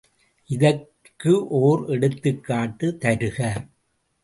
இதற்கு ஒர் எடுத்துக்காட்டு தருக.